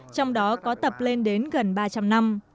trong đó có tập lên đến gần ba trăm linh năm